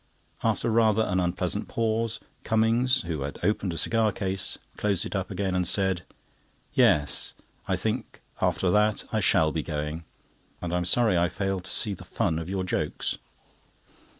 After rather an unpleasant pause, Cummings, who had opened a cigar case, closed it up again and said: "Yes—I think, after that, I shall be going, and I am sorry I fail to see the fun of your jokes."